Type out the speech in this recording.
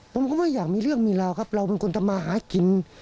ผมก็ไม่อยากมีเรื่องมีราวครับเราเป็นคนทำมาหากิน